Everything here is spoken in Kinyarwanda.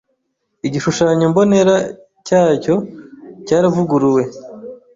Igishushanyo mbonera cyacyo cyaravuguruwe